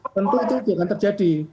tentu itu tidak terjadi